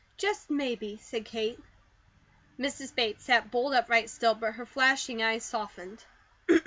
Just maybe," said Kate. Mrs. Bates sat bolt upright still, but her flashing eyes softened.